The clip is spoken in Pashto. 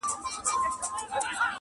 له دې غمه همېشه یمه پرېشانه!!